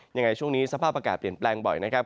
ยังไงช่วงนี้สภาพอากาศเปลี่ยนแปลงบ่อยนะครับ